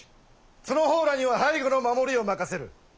その方らには背後の守りを任せる。